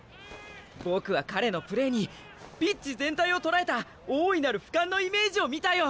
僕は彼のプレーにピッチ全体を捉えた「大いなる俯瞰」のイメージを見たよ！